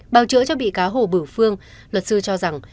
bào chữa cho bị cáo hồ bửu phương luật sư cho rằng